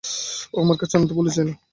ওকে আমার কাছে আনতে বলেছি!